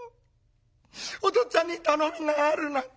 『お父っつぁんに頼みがあるの』と。